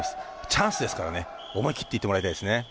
チャンスですからね、思い切っていってもらいたいですね。